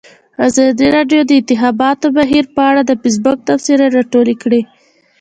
ازادي راډیو د د انتخاباتو بهیر په اړه د فیسبوک تبصرې راټولې کړي.